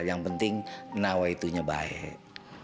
yang penting nawa itunya baik